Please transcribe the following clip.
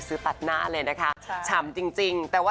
ตัดหน้าเลยนะคะฉ่ำจริงแต่ว่า